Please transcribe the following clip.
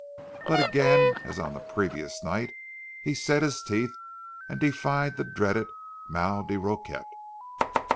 But again, as on the previous night, he set his teeth, and defied the dreaded mal de roquette.